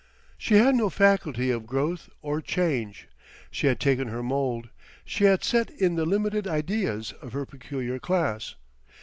She had no faculty of growth or change; she had taken her mould, she had set in the limited ideas of her peculiar class.